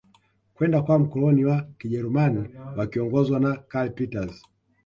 Kwenda kwa wakoloni wa kijerumani wakiongozwa na karl peters